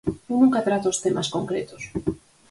Eu nunca trato os temas concretos.